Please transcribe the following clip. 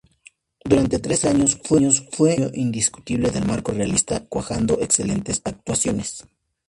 Durante tres años fue el dueño indiscutible del marco realista cuajando excelentes actuaciones.